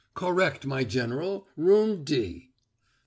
"Correct, my General Room D."